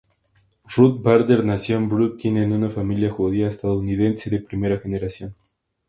Ruth Bader nació en Brooklyn en una familia judía estadounidense de primera generación.